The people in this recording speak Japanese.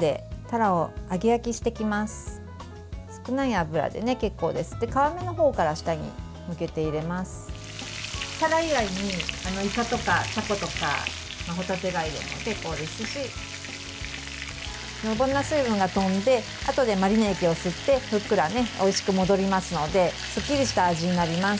たら以外にいかとか、たことかほたて貝でも結構ですし余分な水分が飛んであとでマリネ液を吸ってふっくらおいしく戻りますのですっきりした味になります。